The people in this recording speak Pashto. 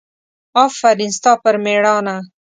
افرین ستا پر مېړانه!